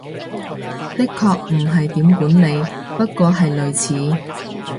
的確唔係點管理，不過係類似